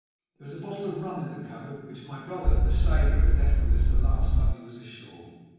There was a bottle of rum in the cupboard, which my brother the sailor had left with us the last time he was ashore.